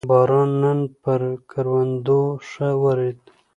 باران نن پر کروندو ښه ورېد